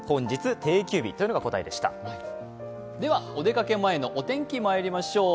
ではお出かけ前のお天気にまいりましょう。